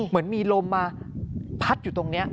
เหมือนมีลมมาพัดอยู่ตรงนี้